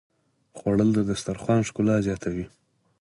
خوړل د دسترخوان ښکلا زیاتوي